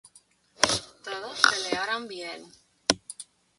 Todos pelearon bien.